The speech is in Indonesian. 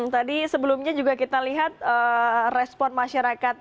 tadi sebelumnya juga kita lihat respon masyarakat